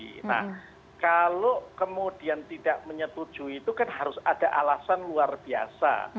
nah kalau kemudian tidak menyetujui itu kan harus ada alasan luar biasa